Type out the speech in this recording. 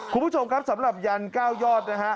คุณผู้ชมครับสำหรับยันต์เก้ายอดนะครับ